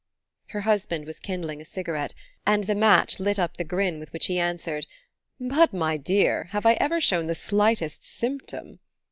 Her husband was kindling a cigarette, and the match lit up the grin with which he answered: "But, my dear, have I ever shown the slightest symptom